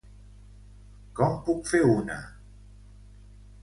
Com puc fer una.?